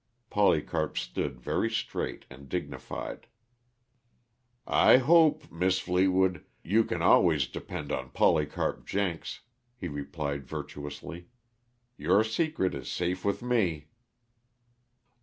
Polycarp stood very straight and dignified. "I hope, Mis' Fleetwood, you can always depend on Polycarp Jenks," he replied virtuously. "Your secret is safe with me."